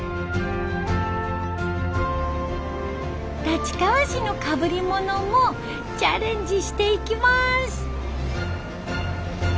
立川市のかぶりものもチャレンジしていきます。